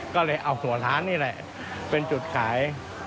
ก็เลยเอาถั่วร้านนี่แหละเป็นจุดขาย